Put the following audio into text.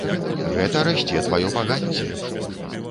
Гэта расце тваё багацце!